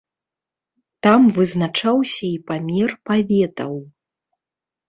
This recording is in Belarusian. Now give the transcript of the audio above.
Там вызначаўся і памер паветаў.